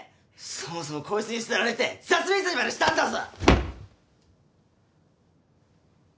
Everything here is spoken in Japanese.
そもそもコイツに捨てられて自殺未遂までしたんだぞ！